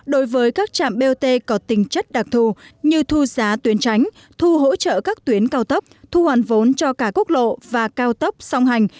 đối với các trạm bot có tính chất đặc thù như thu giá tuyến tránh thu hỗ trợ các tuyến cao tốc thu hoàn vốn cho cả quốc lộ và cao tốc song hành